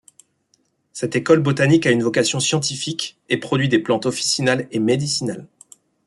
Cette école botanique a une vocation scientifique et produit des plantes officinales et médicinales.